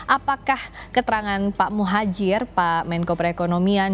apakah keterangan pak muhajir pak menko perekonomian